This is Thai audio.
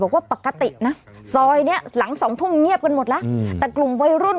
บอกว่าปกตินะซอยเนี้ยหลังสองทุ่มเงียบกันหมดแล้วแต่กลุ่มวัยรุ่น